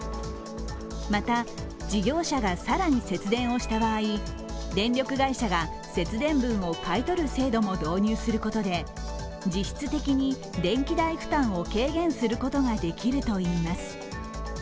また事業者が更に節電をした場合、電力会社が節電分を買い取る制度も導入することで実質的に電気代負担を軽減することができるといいます。